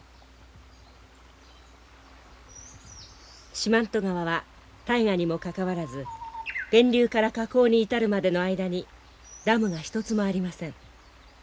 四万十川は大河にもかかわらず源流から河口に至るまでの間にダムが一つもありません。